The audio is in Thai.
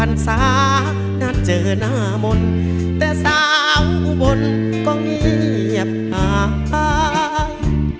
นานเจอนามอนแต่สาวบ่นก็เหี้ยบหาย